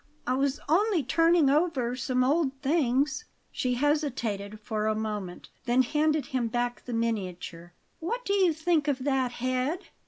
I was only turning over some old things." She hesitated for a moment; then handed him back the miniature. "What do you think of that head?"